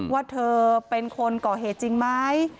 ว่าเธอเป็นคนก่อเหตุจริงไหม